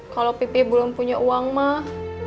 kalau pipi belum punya uang mah